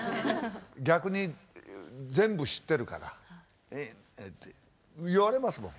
逆に全部知ってるから言われますもん。